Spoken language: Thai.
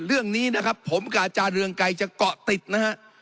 เรื่องนี้นะครับผมกับอาจารย์เรืองไกรจะเกาะติดนะฮะ